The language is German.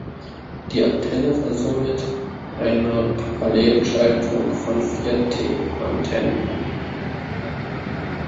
Die Antenne war somit eine Parallelschaltung von vier T-Antennen.